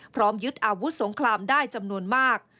ยึดอาวุธสงครามได้จำนวนมาก